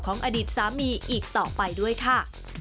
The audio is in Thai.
อดีตสามีอีกต่อไปด้วยค่ะ